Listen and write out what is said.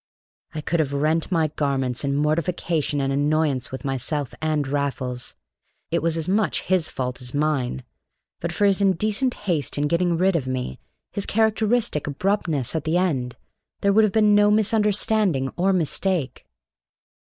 I could have rent my garments in mortification and annoyance with myself and Raffles. It was as much his fault as mine. But for his indecent haste in getting rid of me, his characteristic abruptness at the end, there would have been no misunderstanding or mistake.